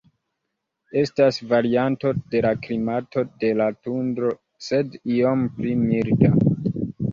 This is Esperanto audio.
Estas varianto de la klimato de la tundro, sed iom pli milda.